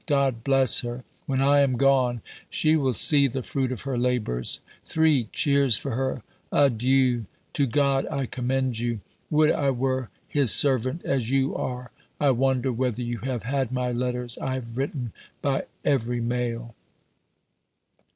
God bless her! When I am gone, she will see the fruit of her labours. Three cheers for her! A Dieu. To God I commend you. Would I were His servant as you are. I wonder whether you have had my letters. I have written by every mail.